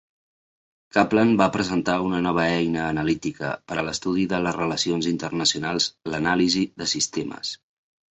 Kaplan va presentar una nova eina analítica per a l'estudi de les relacions internacionals, l'"anàlisi de sistemes".